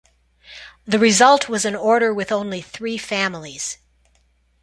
The result was an order with only three families.